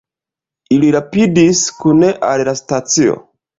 Ili rapidis kune al la stacio.